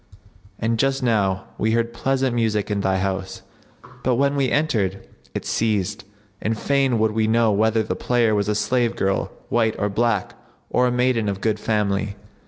'[FN#71] And just now we heard pleasant music in thy house, but when we entered, it ceased; and fain would we know whether the player was a slave girl, white or black, or a maiden of good family."